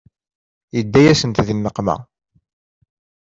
Yedda-yasent di nneqma.